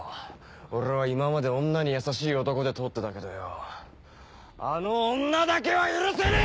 俺は今まで女に優しい男で通ってたけどよあの女だけは許せねえ‼